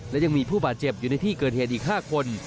และยังมีผู้บาดเจ็บอยู่ในที่เกิดเหตุอีก๕คน